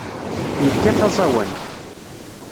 Yekkat aẓawan.